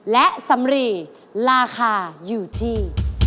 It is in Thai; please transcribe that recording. และสำรีราคาอยู่ที่